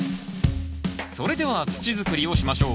それでは土づくりをしましょう。